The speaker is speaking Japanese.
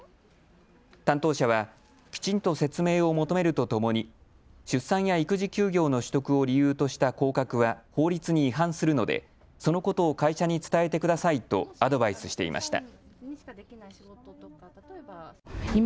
担当者はきちんと説明を求めるとともに出産や育児休業の取得を理由とした降格は法律に違反するので、そのことを会社に伝えてくださいとアドバイスしていました。